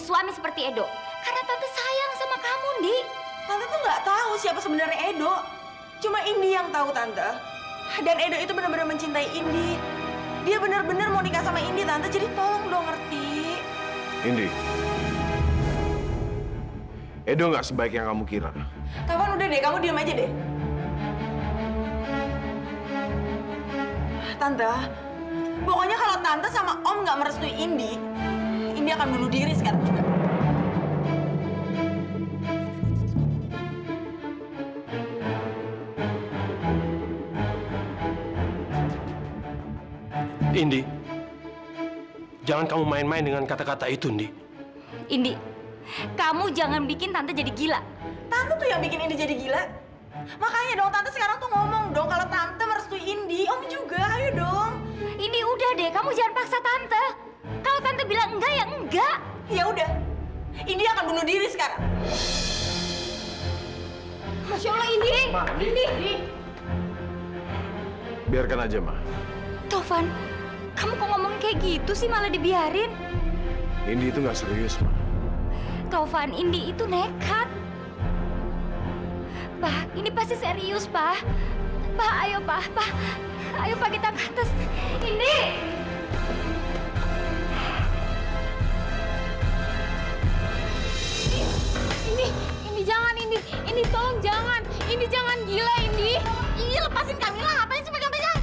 sampai jumpa di video selanjutnya